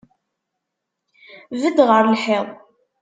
Bedd ɣer lḥiḍ!